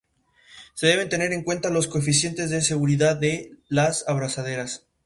Se deben tener en cuenta los coeficientes de seguridad de las abrazaderas.